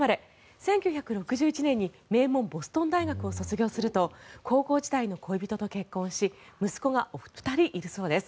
１９６１年に名門ボストン大学を卒業すると高校時代の恋人と結婚し息子が２人いるそうです。